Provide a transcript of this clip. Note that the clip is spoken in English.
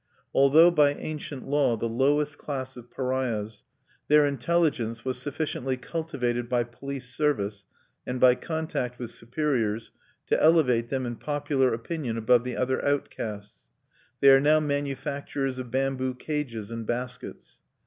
Although by ancient law the lowest class of pariahs, their intelligence was sufficiently cultivated by police service and by contact with superiors to elevate them in popular opinion above the other outcasts. They are now manufacturers of bamboo cages and baskets.